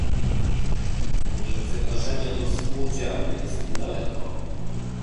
Od lekceważenia do współudziału jest niedaleko